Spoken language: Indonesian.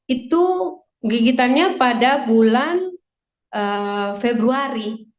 itu gigitannya pada bulan februari